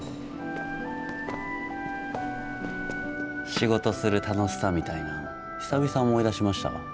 仕事する楽しさみたいなん久々思い出しましたわ。